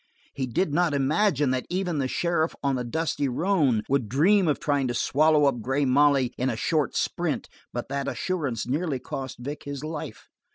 He did not imagine that even the sheriff on the dusty roan would dream of trying to swallow up Grey Molly in a short sprint but that assurance nearly cost Vic his life.